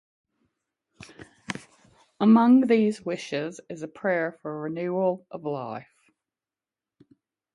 Among these wishes is a prayer for a renewal of life.